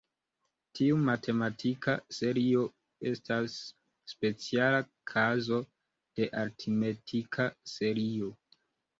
Tiu matematika serio estas speciala kazo de "aritmetika serio".